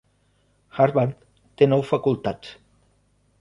Harvard té nou facultats.